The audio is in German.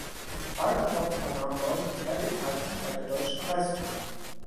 Bald darauf übernahm Molt Tätigkeiten bei der Deutschen Reichsbahn.